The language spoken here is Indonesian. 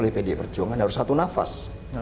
oleh pd perjuangan harus satu nafas